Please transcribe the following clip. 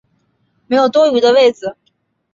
没有多余的位子